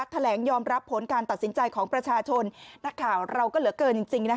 แถลงยอมรับผลการตัดสินใจของประชาชนนักข่าวเราก็เหลือเกินจริง